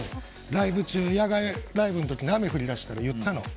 ライブ中、野外ライブの時に雨が降り出したら、言ったの。